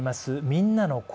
みんなの声。